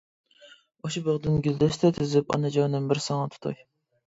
ئاشۇ باغدىن گۈلدەستە تىزىپ، ئانىجانىم بىر ساڭا تۇتاي!